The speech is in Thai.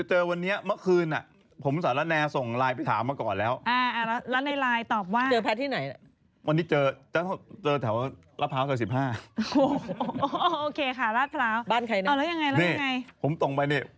ดเวียบมักคืนผมมาส่งอ่าน